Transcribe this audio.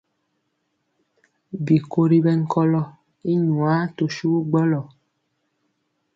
Bikori ɓɛnkɔlɔ i nwaa to suwu gbɔlɔ.